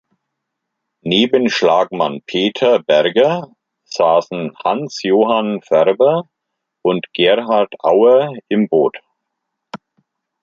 Neben Schlagmann Peter Berger saßen Hans-Johann Färber und Gerhard Auer im Boot.